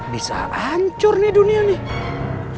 bisa hancur nih dunia nih